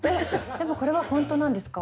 でもこれは本当なんですか？